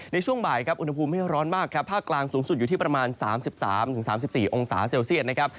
ในช่วงบ่ายครับอุณหภูมิไม่ร้อนมากครับภาคกลางสูงสุดอยู่ที่ประมาณ๓๓๔องศาเซลเซียตนะครับ